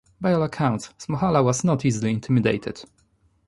By all accounts, Smohalla was not easily intimidated.